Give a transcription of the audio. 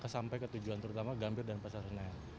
sampai ke tujuan terutama gambir dan pasar senen